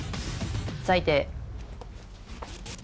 最低！